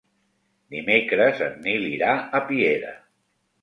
Dimecres en Nil irà a Piera.